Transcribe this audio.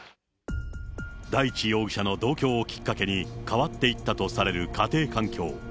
大地容疑者の同居をきっかけに、変わっていったとされる家庭環境。